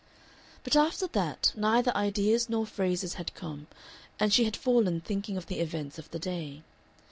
But after that neither ideas nor phrases had come and she had fallen thinking of the events of the day.